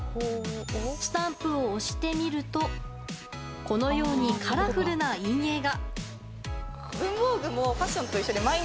スタンプを押してみるとこのようにカラフルな印影が。